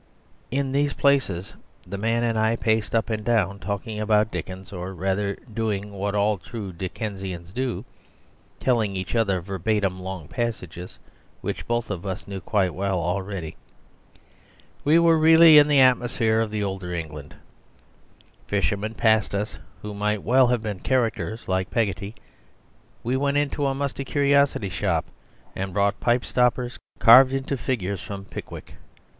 In these places the man and I paced up and down talking about Dickens, or, rather, doing what all true Dickensians do, telling each other verbatim long passages which both of us knew quite well already. We were really in the atmosphere of the older England. Fishermen passed us who might well have been characters like Peggotty; we went into a musty curiosity shop and bought pipe stoppers carved into figures from Pickwick.